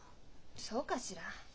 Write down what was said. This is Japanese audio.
そうかしら？